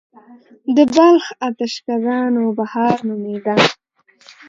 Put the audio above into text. د بلخ اتشڪده نوبهار نومیده